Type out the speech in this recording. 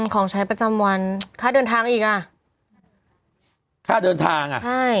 ของใช้ประจำวันค่าเดินทางอีกค่าเดินทาง